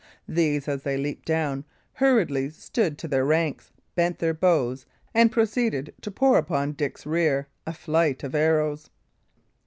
These, as they leaped down, hurriedly stood to their ranks, bent their bows, and proceeded to pour upon Dick's rear a flight of arrows.